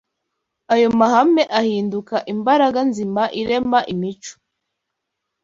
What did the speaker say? Ayo mahame ahinduka imbaraga nzima irema imico